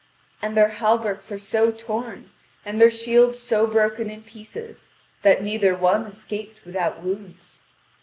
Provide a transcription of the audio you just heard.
And their hauberks are so torn, and their shields so broken in pieces, that neither one escaped without wounds.